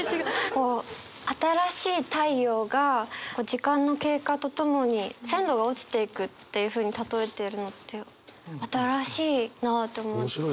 こう新しい太陽が時間の経過とともに鮮度が落ちていくっていうふうに例えているのって新しいなと思って。